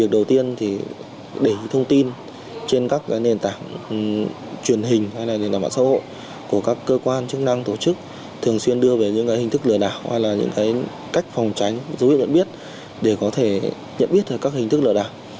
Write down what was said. để thông tin trên các nền tảng truyền hình hay là mạng sâu hộ của các cơ quan chức năng tổ chức thường xuyên đưa về những hình thức lừa đảo hay là những cách phòng tránh dấu hiệu nhận biết để có thể nhận biết về các hình thức lừa đảo